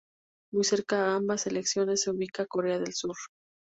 Muy cerca a ambas selecciones se ubica Corea del Sur.